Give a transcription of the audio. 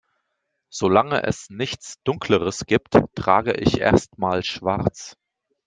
Solange es nichts Dunkleres gibt, trage ich erst mal Schwarz.